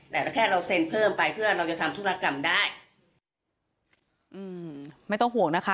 แต่แค่เราเซ็นเพิ่มไปเพื่อเราจะทำธุรกรรมได้อืมไม่ต้องห่วงนะคะ